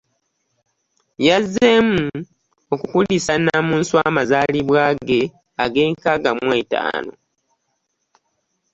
Yazzeemu okukulisa Nnamunswa amazaalibwa ge ag'enkaaga mu etaano.